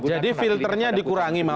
jadi filternya dikurangi